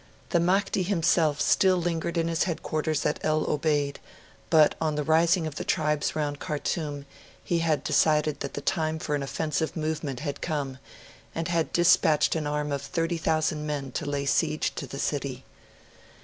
The Mahdi himself still lingered in his headquarters at El Obeid; but, on the rising of the tribes round Khartoum, he had decided that the time for an offensive movement had come, and had dispatched an arm of 30,000 men to lay siege to the city.